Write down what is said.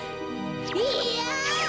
いや！